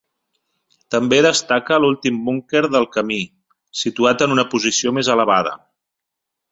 També destaca l'últim búnquer del camí, situat en una posició més elevada.